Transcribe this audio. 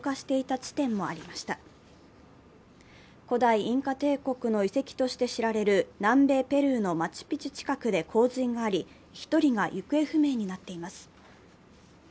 古代インカ帝国の遺跡として知られる南米ペルーのマチュピチュ近くで洪水があり１人が行方不明になっています。